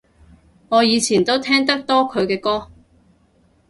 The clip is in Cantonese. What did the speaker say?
我以前都聽得多佢嘅歌